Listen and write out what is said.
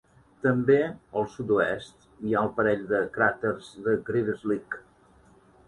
També al sud-oest hi ha el parell de cràters de Greaves-Lick.